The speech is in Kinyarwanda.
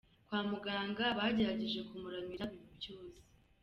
Kwa muganga bagerageje kumuramira biba iby’ubusa.